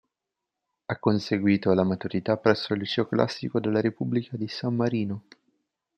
Ha conseguito la maturità presso il Liceo Classico della Repubblica di San Marino.